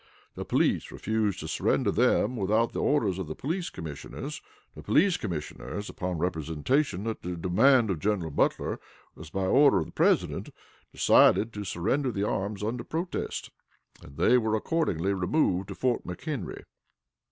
The police refused to surrender them without the orders of the police commissioners. The police commissioners, upon representation that the demand of General Butler was by order of the President, decided to surrender the arms under protest, and they were accordingly removed to Fort McHenry.